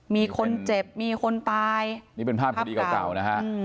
มีคนเจ็บมีคนตายนี่เป็นภาพคดีเก่านะฮะ